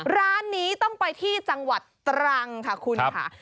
ร้านนี้ต้องไปที่จังหวัดตรังค่ะคุณค่ะ